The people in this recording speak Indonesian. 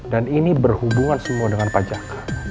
dan ini berhubungan semua dengan pajak kamu